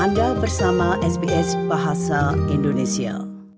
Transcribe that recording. anda bersama sbs bahasa indonesia